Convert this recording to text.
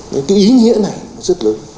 cái ý nghĩa này rất lớn